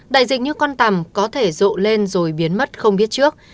đại dịch như con tầm có thể rộ lên rồi biến mất không biết trước